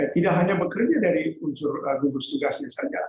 tidak hanya bekerja dari unsur gugus tugasnya saja